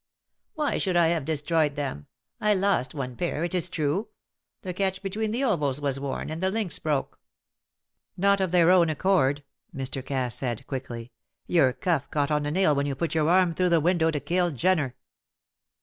"Why should I have destroyed them? I lost one pair, it is true. The catch between the ovals was worn, and the links broke." "Not of their own accord," Mr. Cass said, quickly. "Your cuff caught on a nail when you put your arm through the window to kill Jenner."